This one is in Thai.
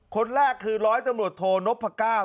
คนแรกคือร้อยตำรวจโทนพก้าว